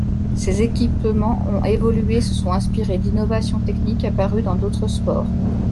Ces équipements ont évolué et se sont inspirés d'innovations techniques apparues dans d'autres sports.